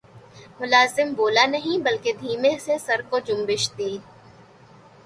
ملازم بولا نہیں بلکہ دھیمے سے سر کو جنبش دی